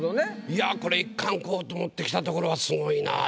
いやこれ「一貫校」と持ってきたところがすごいな。